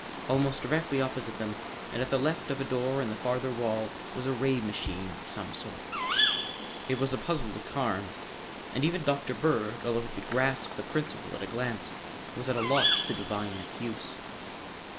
Almost directly opposite them and at the left of a door in the farther wall was a ray machine of some sort. It was a puzzle to Carnes, and even Dr. Bird, although he could grasp the principle at a glance, was at a loss to divine its use.